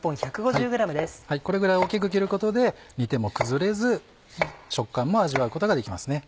これぐらい大きく切ることで煮ても崩れず食感も味わうことができますね。